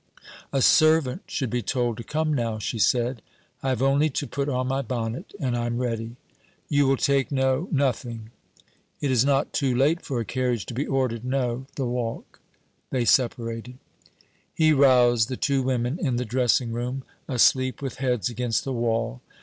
'A servant should be told to come now,' she said. 'I have only to put on my bonnet and I am ready.' 'You will take no...?' 'Nothing.' 'It is not too late for a carriage to be ordered.' 'No the walk!' They separated. He roused the two women in the dressing room, asleep with heads against the wall.